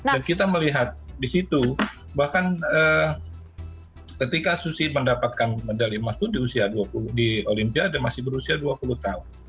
dan kita melihat di situ bahkan ketika susi mendapatkan medali emas itu di olympia masih berusia dua puluh tahun